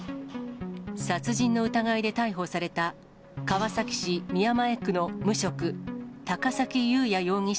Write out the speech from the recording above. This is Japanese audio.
殺人の疑いで逮捕された川崎市宮前区の無職、高崎勇也容疑者